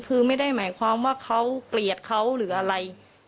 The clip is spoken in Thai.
คือไม่ได้หมายความว่าเขาเกลียดเขาหรืออะไร